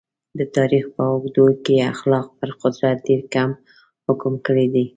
د تاریخ په اوږدو کې اخلاق پر قدرت ډېر کم حکم کړی دی.